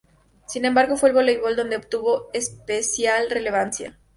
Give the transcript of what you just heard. Sin embargo, fue en el voleibol donde obtuvo especial relevancia.